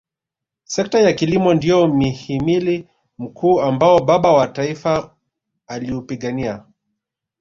sekta ya kilimo ndio mhimili mkuu ambao baba wa taifa aliupigania